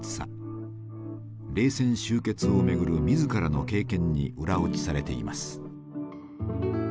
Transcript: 冷戦終結をめぐる自らの経験に裏打ちされています。